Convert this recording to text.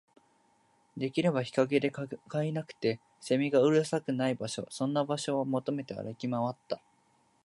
できれば日陰で、蚊がいなくて、蝉がうるさくない場所、そんな場所を求めて歩き回った